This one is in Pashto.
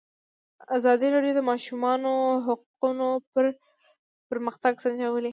ازادي راډیو د د ماشومانو حقونه پرمختګ سنجولی.